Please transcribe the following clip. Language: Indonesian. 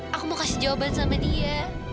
aku mau kasih jawaban sama dia